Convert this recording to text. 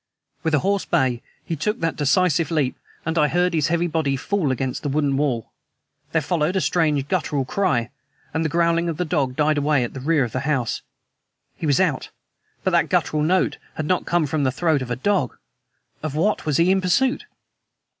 With a hoarse bay he took that decisive leap, and I heard his heavy body fall against the wooden wall. There followed a strange, guttural cry ... and the growling of the dog died away at the rear of the house. He was out! But that guttural note had not come from the throat of a dog. Of what was he in pursuit?